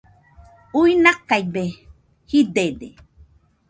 Uinakaibe jidede